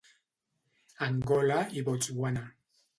Angola i Botswana.